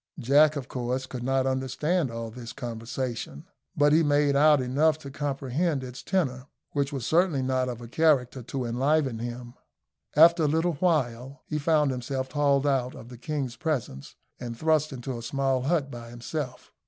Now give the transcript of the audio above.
Jack, of course, could not understand all this conversation; but he made out enough to comprehend its tenor, which was certainly not of a character to enliven him. After a little time he found himself hauled out of the king's presence and thrust into a small hut by himself.